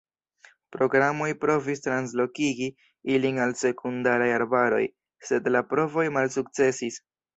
Programoj provis translokigi ilin al sekundaraj arbaroj, sed la provoj malsukcesis.